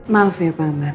maaf ya pak amar